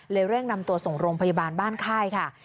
เร่งนำตัวส่งโรงพยาบาลบ้านค่ายค่ะ